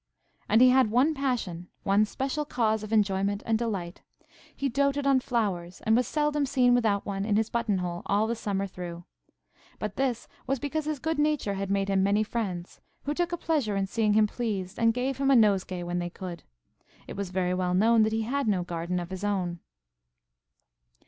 And he had one passion–one special cause of enjoyment and delight. He doated on flowers, and was seldom seen without one in his button hole all the summer through. But this was because his good nature had made him many friends, who took a pleasure in seeing him pleased, and gave him a nosegay when they could. It was very well known that he had no garden of his own.